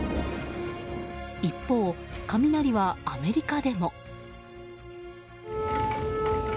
一方、雷はアメリカでも。